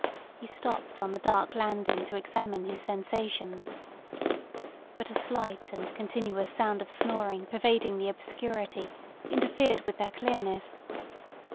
He stopped on the dark landing to examine his sensations. But a slight and continuous sound of snoring pervading the obscurity interfered with their clearness.